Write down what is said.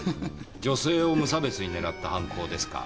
女性を無差別に狙った犯行ですか。